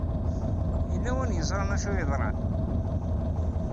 Yella win yeẓran acu yeḍran?